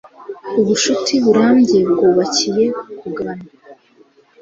ubucuti burambye bwubakiye ku kugabana